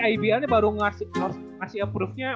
ipl ini baru ngasih approve nya